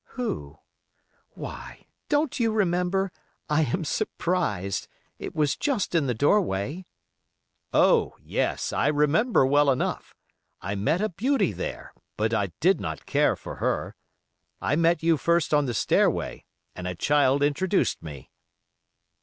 "Who? Why, don't you remember! I am surprised. It was just in the doorway!" "Oh! yes, I remember well enough. I met a beauty there, but I did not care for her. I met you first on the stairway, and a child introduced me."